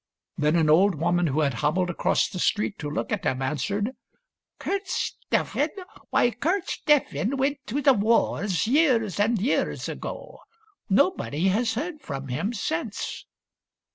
Then an old woman who had hobbled across the street to look at him answered, " Kurt Steffen ! Why, Kurt Steffen went to the wars years and years ago. Nobody has heard from him since."